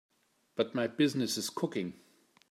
But my business is cooking.